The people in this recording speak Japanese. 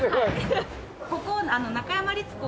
ここ中山律子